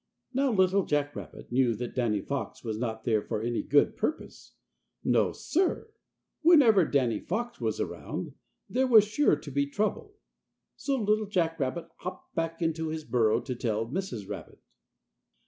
Now Little Jack Rabbit knew that Danny Fox was not there for any good purpose. No, sir. Whenever Danny Fox was around there was sure to be trouble. So Little Jack Rabbit hopped back into his burrow to tell Mrs. Rabbit.